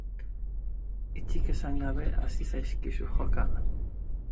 Hitzik esan gabe hasi zaizkizu joka.